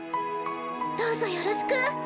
どうぞよろしく。